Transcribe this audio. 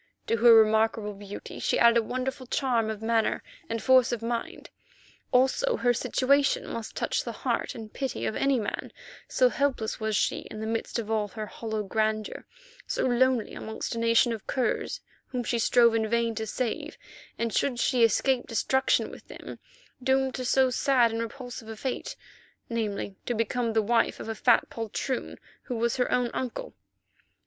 To her remarkable beauty she added a wonderful charm of manner and force of mind. Also her situation must touch the heart and pity of any man, so helpless was she in the midst of all her hollow grandeur, so lonely amongst a nation of curs whom she strove in vain to save, and should she escape destruction with them, doomed to so sad and repulsive a fate, namely to become the wife of a fat poltroon who was her own uncle.